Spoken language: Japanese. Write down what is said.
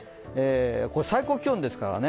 これは最高気温ですからね。